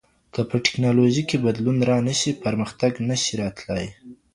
که په تکنالوژۍ کي بدلون رانشي پرمختګ نشي راتلای.